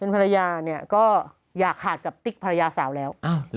เป็นภรรยาก็อย่าขาดกับติ๊กภรรยาสาวแล้ว